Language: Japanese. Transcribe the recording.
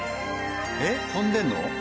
えっ飛んでるの？